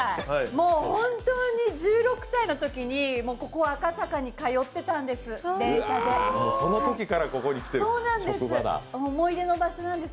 もう本当に１６歳のときにここ赤坂に通ってたんです電車で。